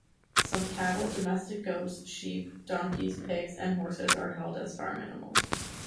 Some cattle, domestic goats, sheep, donkeys, pigs and horses are held as farm animals.